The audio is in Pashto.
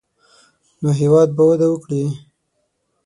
نو هېواد به وده وکړي.